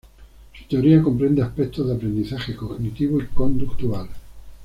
Su teoría comprende aspectos del aprendizaje cognitivo y conductual.